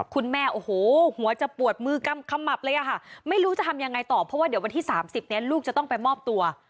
คุณแม่โอ้โหหัวจะปวดมือกำขมับเลยค่ะไม่รู้จะทำยังไงต่อเพราะว่าเดี๋ยววันที่๓๐เนี่ยลูกจะต้องไปมอบตัว